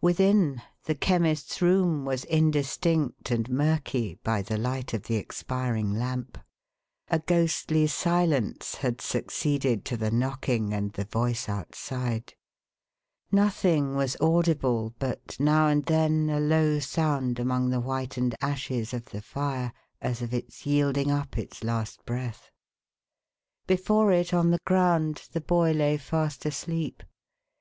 Within, the Chemist's room was indistinct and mtirkv, In the light of the expiring lamp; a ghostly silence had suc ceeded to the knocking and the voice outside; nothing \\.i , audible but, now and then, a low sound among the whitened ashes of the fire, as of its yielding up its last breath. Before it on the ground the boy lay fast asleep.